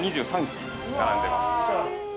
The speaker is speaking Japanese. ２３基、並んでいます。